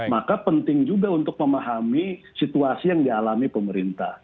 maka penting juga untuk memahami situasi yang dialami pemerintah